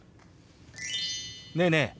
ねえねえ